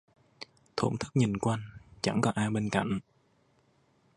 Thổn thức nhìn quanh, chẳng còn ai bên cạnh